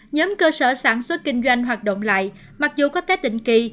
nhóm cơ sở sản xuất kinh doanh hoạt động lại mặc dù có te định kỳ